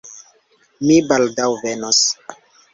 Mi baldaŭ venos.